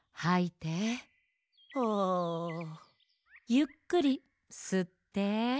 ゆっくりすって。